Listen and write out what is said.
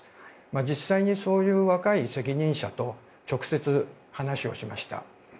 実際に若い責任者と直接、話をしました。